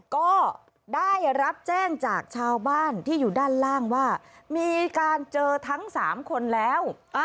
ก็ได้รับแจ้งจากชาวบ้านที่อยู่ด้านล่างว่ามีการเจอทั้ง๓คนแล้ว